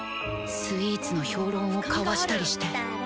スイーツの評論をかわしたりしてうん深みがある。